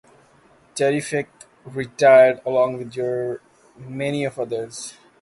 Terrific retired along with many of the others.